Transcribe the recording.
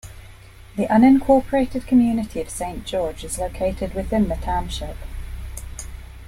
The unincorporated community of Saint George is located within the township.